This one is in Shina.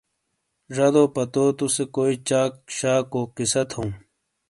زادو پتو توسے کوئی چاک شاکو قصہ تھوں ۔